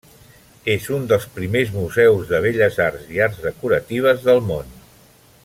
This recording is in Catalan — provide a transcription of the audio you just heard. És un dels primers museus de belles arts i arts decoratives del món.